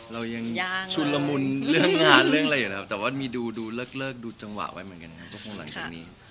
เรายังชุนละมุนเรื่องงานเรื่องอะไรอยู่แล้วแต่ว่ามีดูเลิกดูจังหวะไว้เหมือนกันครับก็คงหลังจากนี้